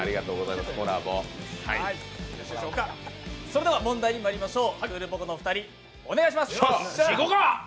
それでは問題にまいりましょうお願いします。